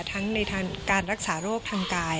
ทั้งในทางการรักษาโรคทางกาย